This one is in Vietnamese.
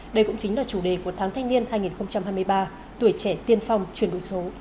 đây cũng chính là chủ đề của tháng thanh niên hai nghìn hai mươi ba tuổi trẻ tiên phong chuyển đổi số